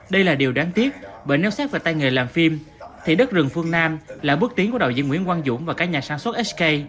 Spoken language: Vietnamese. đây là điều đáng tiếc bởi nếu xét về tay nghề làm phim thì đất rừng phương nam là bước tiến của đạo diễn nguyễn quang dũng và các nhà sản xuất sk